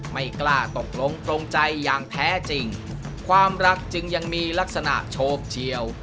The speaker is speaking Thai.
ไม่กล้าตกลงตรงใจอย่างแท้จริงความรักจึงยังมีลักษณะโชคเฉียว